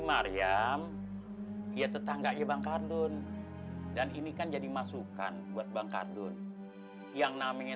maryam ya tetangganya bang kardun dan ini kan jadi masukan buat bang kardun yang namanya